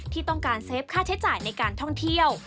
ที่ต้องการเซฟค่าใช้จ่ายในการท่องเที่ยว